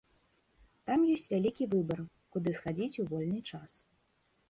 Там ёсць вялікі выбар, куды схадзіць у вольны час.